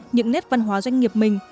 những nét văn hóa doanh nghiệp mình